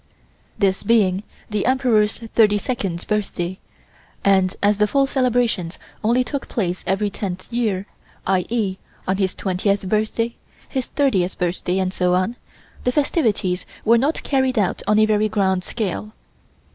This being the Emperor's 32nd birthday, and as the full celebrations only took place every tenth year, i. e. On his 20th birthday, his 30th birthday, and so on, the festivities were not carried out on a very grand scale.